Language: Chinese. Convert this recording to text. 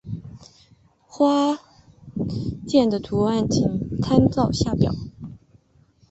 花札的图案请参照下表。